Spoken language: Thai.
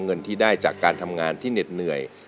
เงินที่ได้จากการทำงานที่เหน็ดเหนื่อย